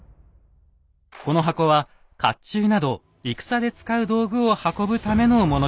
この箱は甲冑など戦で使う道具を運ぶためのものでした。